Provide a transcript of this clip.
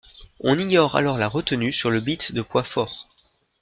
On ignore alors la retenue sur le bit de poids fort.